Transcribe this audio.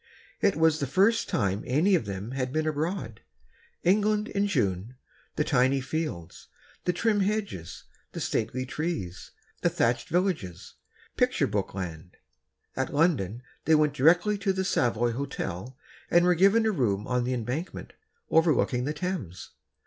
It was the first time any of them had been abroad. England in June: the tiny fields, the trim hedges, the stately trees, the thatched villages—picture book land. At London they went directly to the Savoy Hotel, and were given a room on the Embankment, overlooking the Thames.